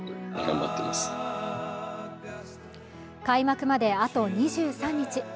開幕まであと２３日。